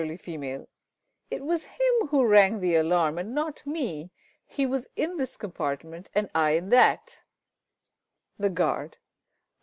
F._ It was him who rang the alarm, and not me. He was in this compartment, and I in that. _The Guard.